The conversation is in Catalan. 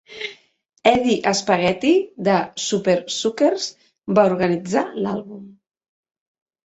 Eddie Spaghetti de Supersuckers va organitzar l'àlbum.